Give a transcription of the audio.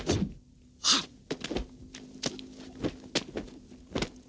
janganlah kau berguna